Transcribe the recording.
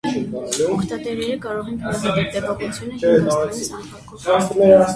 Օգտատերերը կարող են գնահատել ուղևորությունը հինգ աստղային սանդղակով։